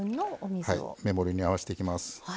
目盛りに合わせていきます。